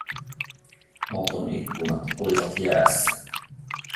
Auton ikkunat ovat jäässä